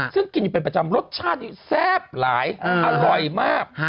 ซึ่งกินอยู่เป็นประจำรสชาตินี้แซ่บหลายอร่อยมาก